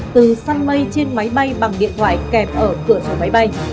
từ sun mây trên máy bay bằng điện thoại kẹp ở cửa sổ máy bay